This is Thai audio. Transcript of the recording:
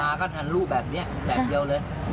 ข้าวสมัครก็ทันรูปแบบนี้แบบเดียวเลย